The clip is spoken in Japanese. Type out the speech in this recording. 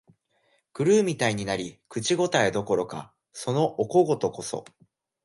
狂うみたいになり、口応えどころか、そのお小言こそ、